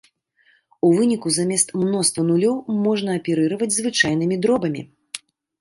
У выніку замест мноства нулёў можна аперыраваць звычайнымі дробамі.